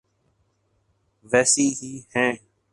ویسی ہی ہیں۔